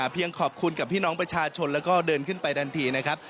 ขอบคุณกับพี่น้องประชาชนแล้วก็เดินขึ้นไปทันทีนะครับ